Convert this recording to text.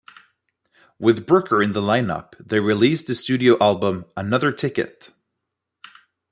With Brooker in the lineup, they released the studio album "Another Ticket".